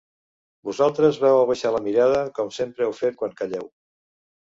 Vosaltres vau abaixar la mirada, com sempre heu fet quan calleu.